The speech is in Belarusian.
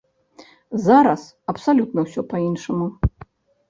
Зараз абсалютна ўсё па-іншаму.